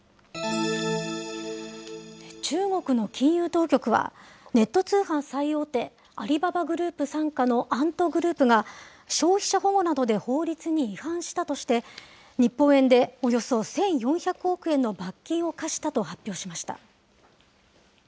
中国の金融当局は、ネット通販最大手、アリババグループ傘下のアントグループが、消費者保護などで法律に違反したとして、日本円でおよそ１４００億円の罰金を科したと発表しました。